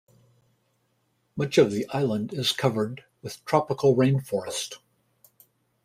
Much of the island is covered with tropical rain forest.